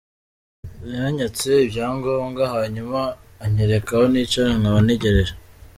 Yanyatse ibyangombwa, hanyuma anyereka aho nicara nkaba ntegereje.